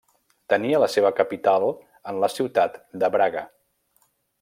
Tenia la seva capital en la ciutat de Braga.